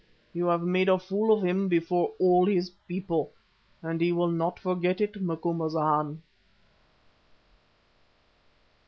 You have made a fool of him before all his people and he will not forget it, Macumazana."